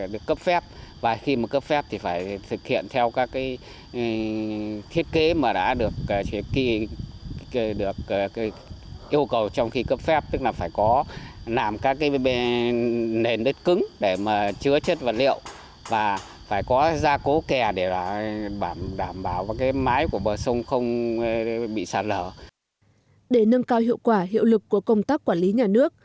để nâng cao hiệu quả hiệu lực của công tác quản lý nhà nước